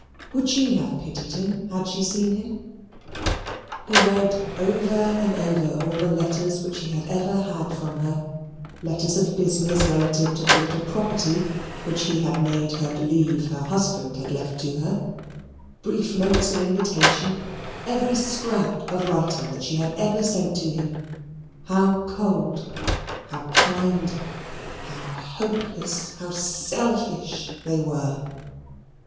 Would she have pitied him had she seen him? He read over and over all the letters which he ever had from her letters of business relative to the little property which he had made her believe her husband had left to her brief notes of invitation every scrap of writing that she had ever sent to him how cold, how kind, how hopeless, how selfish they were!